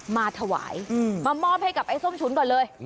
มาถวายมามอบให้กับไอ้ส้มฉุนก่อนเลย